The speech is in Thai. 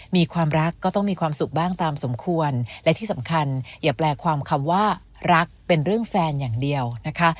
มีความรักก็ต้องมีความสุขบ้างตามสมควรและที่สำคัญอย่าแปลความคำว่ารักเป็นเรื่องแฟนอย่างเดียวนะคะ